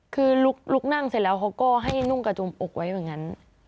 คือลุกนั่งเสร็จแล้วเขาก็ให้นุ่งกระจุมอกไว้อย่างนั้น